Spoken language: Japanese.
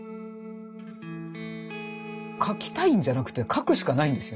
描きたいんじゃなくて描くしかないんですよ。